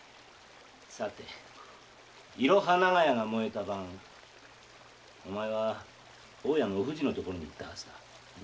さていろは長屋が燃えた晩お前は大家のお藤の所に行ったはずだ。